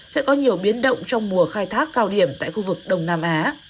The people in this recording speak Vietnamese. sẽ có nhiều biến động trong mùa khai thác cao điểm tại khu vực đông nam á